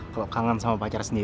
kamu kenapa sih seneng banget kesini